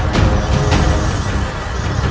sampai saat ini